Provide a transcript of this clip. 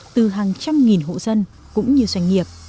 từ hàng trăm nghìn hộ dân cũng như doanh nghiệp